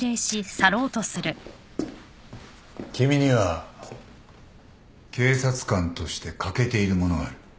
君には警察官として欠けているものがある。